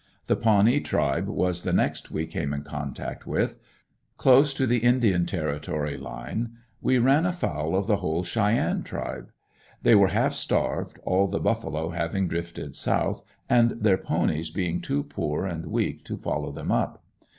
The Pawnee tribe was the next we came in contact with. Close to the Indian Territory line we run afoul of the whole Cheyenne tribe. They were half starved, all the buffalo having drifted south, and their ponies being too poor and weak to follow them up.